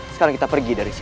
sekarang kita pergi dari sini